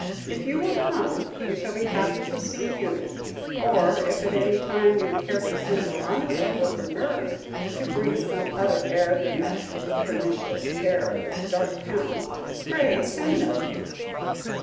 If you will come, we shall be happy to see you; or if at any time you would care to send Veronica with her nurse, to breathe some other air than the pernicious air of this dark town, pray send them."